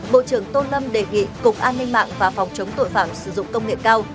bộ trưởng tô lâm đề nghị cục an ninh mạng và phòng chống tội phạm sử dụng công nghệ cao